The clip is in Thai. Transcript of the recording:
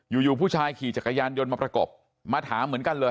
อยู่ผู้ชายขี่จักรยานยนต์มาประกบมาถามเหมือนกันเลย